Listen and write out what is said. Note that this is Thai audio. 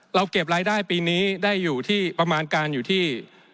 เก็บรายได้ปีนี้ได้อยู่ที่ประมาณการอยู่ที่